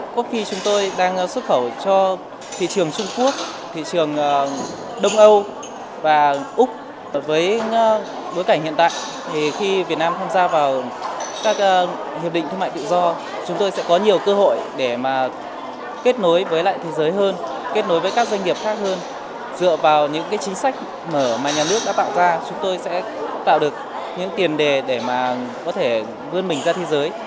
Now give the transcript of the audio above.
chúng tôi đã tạo ra chúng tôi sẽ tạo được những tiền đề để mà có thể vươn mình ra thế giới